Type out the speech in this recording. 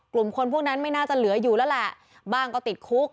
กลุ่มคนพวกนั้นไม่น่าจะเหลืออยู่แล้วแหละบ้างก็ติดคุก